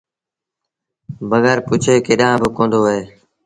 بگر پُڇي ڪيڏآݩ با ڪوندو وهي